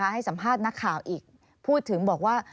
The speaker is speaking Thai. ให้สัมภาษณ์นักข่าวอีกพูดถึงบอกว่า